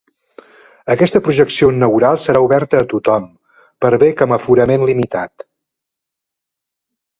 Aquesta projecció inaugural serà oberta a tothom, per bé que amb aforament limitat.